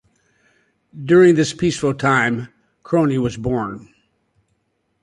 During this peaceful time, Kroni was born.